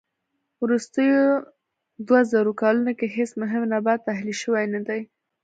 وروستيو دووزرو کلونو کې هېڅ مهم نبات اهلي شوی نه دي.